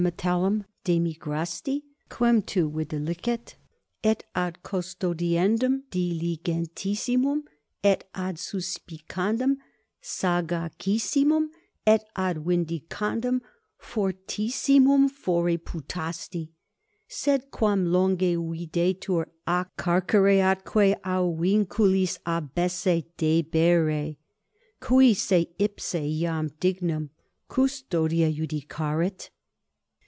Metellum demigrasti, quem tu videlicet et ad custodiendum diligentissimum et ad suspicandum sagacissimum et ad vindicandum fortissimum fore putasti. Sed quam longe videtur a carcere atque a vinculis abesse debere, qui se ipse iam dignum custodia iudicarit?